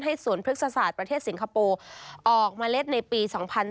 สวนพฤกษศาสตร์ประเทศสิงคโปร์ออกเมล็ดในปี๒๔